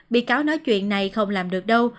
bị cáo nói chuyện này không làm được đâu